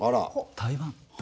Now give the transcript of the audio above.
台湾。